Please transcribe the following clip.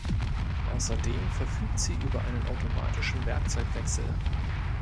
Außerdem verfügt sie über einen automatischen Werkzeugwechsel.